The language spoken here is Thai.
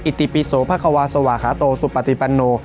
ติปิโสพระควาสวาคาโตสุปติปันโน